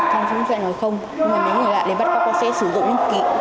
con cũng sẽ nói không nhưng mà nếu người lạ để bắt cóc con sẽ sử dụng những kỹ năng mà con đã học